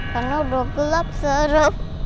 karena udah gelap serem